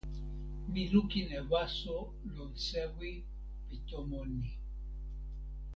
mi lukin e waso lon sewi pi tomo ni.